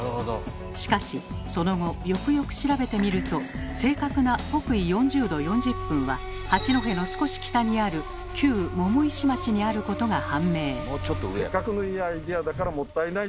しかしその後よくよく調べてみると正確な北緯４０度４０分は八戸の少し北にある旧百石町にあることが判明。